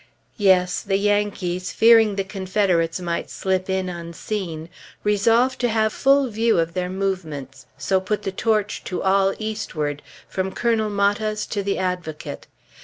'" Yes! the Yankees, fearing the Confederates might slip in unseen, resolved to have full view of their movements, so put the torch to all eastward, from Colonel Matta's to the Advocate.